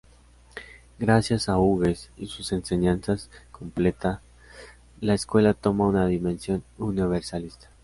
Gracias a Hugues y sus enseñanzas completa, la escuela toma una dimensión universalista.